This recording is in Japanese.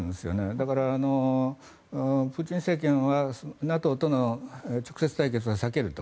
だからプーチン政権はＮＡＴＯとの直接対決を避けると。